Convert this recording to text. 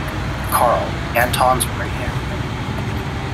Karl - Anton's right-hand man.